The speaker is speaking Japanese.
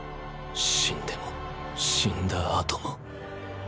死んでも死んだ後も。